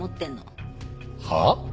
はあ？